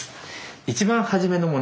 一番初めのもの